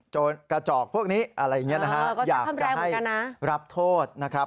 โจรกระจอกพวกนี้อยากจะให้รับโทษนะครับ